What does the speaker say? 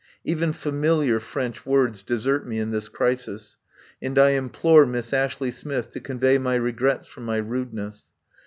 Even familiar French words desert me in this crisis, and I implore Miss Ashley Smith to convey my regrets for my rudeness.